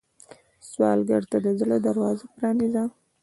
سوالګر ته د زړه دروازه پرانیزه